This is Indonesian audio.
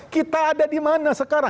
kita ada dimana sekarang